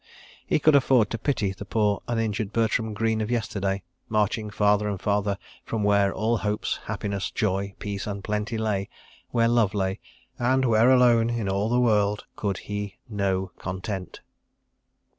He could afford to pity the poor uninjured Bertram Greene of yesterday, marching farther and farther from where all hope, happiness, joy, peace and plenty lay, where love lay, and where alone in all the world could he know content.